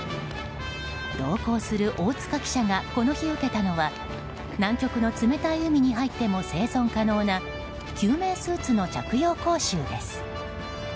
同行する大塚記者がこの日、受けたのは南極の冷たい海に入っても生存可能な救命スーツの着用講習です。